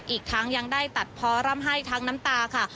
อีกทั้งยังได้ตัดเพาะร่ำไห้ทั้งน้ำตาค่ะ